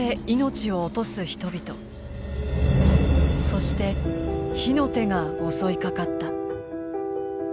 そして火の手が襲いかかった。